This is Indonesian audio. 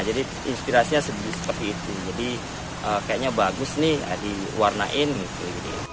jadi inspirasinya seperti itu jadi kayaknya bagus nih diwarnain gitu